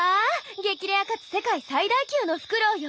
激レアかつ世界最大級のフクロウよ。